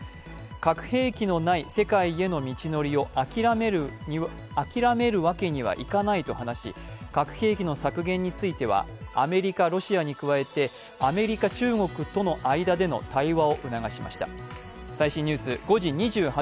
核兵器のない世界への道のりを諦めるわけにはいかないと話し、核兵器の削減についてはアメリカ、ロシアに加えてアメリカ、中国との間での対話を促しました。